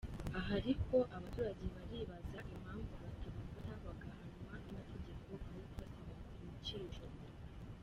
Aha ariko abaturage baribaza impamvu batabafata bagahanwa n’amategeko aho kurasa mu kico.